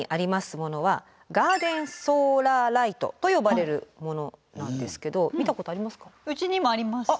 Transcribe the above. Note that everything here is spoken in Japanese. ものはガーデンソーラーライトと呼ばれるものなんですけど見たことありますか？